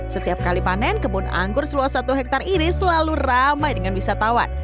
setiap kali panen kebun anggur seluas satu hektare ini selalu ramai dengan wisatawan